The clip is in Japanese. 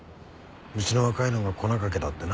うちの若いのが粉かけたってな。